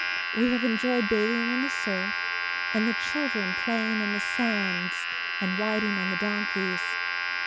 We have enjoyed bathing in the surf, and the children playing in the sands and riding on the donkeys.